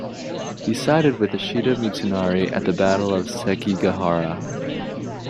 He sided with Ishida Mitsunari at the Battle of Sekigahara.